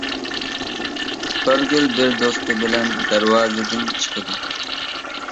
ئىپارگۈل بىر دوستى بىلەن دەرۋازىدىن چىقىدۇ.